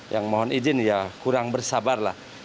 yang mohon izin ya kurang bersabarlah